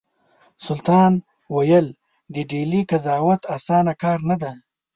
سلطان ویل د ډهلي قضاوت اسانه کار نه دی.